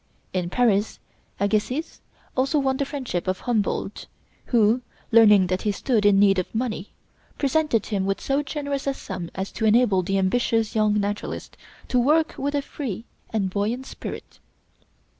In Paris Agassiz also won the friendship of Humboldt, who, learning that he stood in need of money, presented him with so generous a sum as to enable the ambitious young naturalist to work with a free and buoyant spirit.